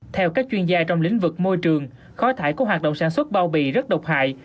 theo các chuyên gia trong lĩnh vực môi trường khói thải của hoạt động sản xuất bao bì rất độc hại